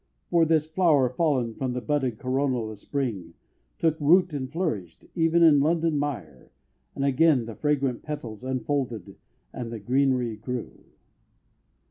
For this "flower fallen from the budded coronal of Spring" took root and flourished, even in London mire, and again the fragrant petals unfolded and the greenery grew.